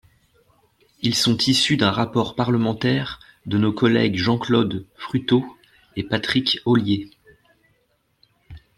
Ils sont issus d’un rapport parlementaire de nos collègues Jean-Claude Fruteau et Patrick Ollier.